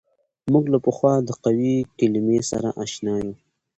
موږ له پخوا د قوې د کلمې سره اشنا یو.